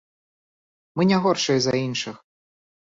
Мы не горшыя за іншых.